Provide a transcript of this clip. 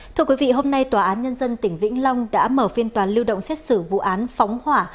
thưa quý vị hôm nay tòa án nhân dân tỉnh vĩnh long đã mở phiên toàn lưu động xét xử vụ án phóng hỏa